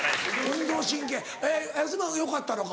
運動神経安村よかったのか？